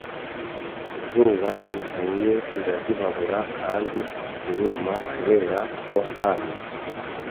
izuba rivuye rirazibabura kandi ziruma kubera ko nta mizi